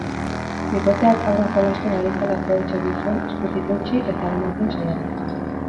Bikoteak haurra jolasten ari zela aprobetxatu zuen eskutik eutsi eta eramaten saiatzeko.